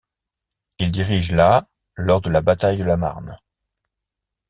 Il dirige la lors de la bataille de la Marne.